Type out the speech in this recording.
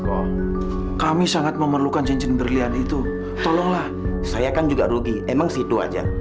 oh kami sangat memerlukan cincin berlian itu tolonglah saya kan juga rugi emang situ aja